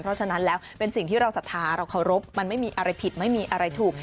เพราะฉะนั้นแล้วเป็นสิ่งที่เราศรัทธาเราเคารพมันไม่มีอะไรผิดไม่มีอะไรถูก